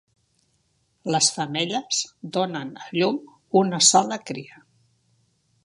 Les femelles donen a llum una sola cria.